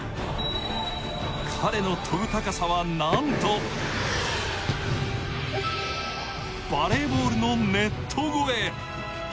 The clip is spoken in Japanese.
彼の跳ぶ高さは、なんとバレーボールのネット越え。